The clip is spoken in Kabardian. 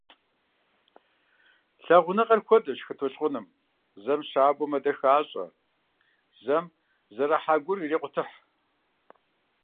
Лъагъуныгъэр хуэдэщ хы толъкъуным, зэм щабэу мэдэхащӏэ, зэм зэрыхьа гур ирекъутыхь.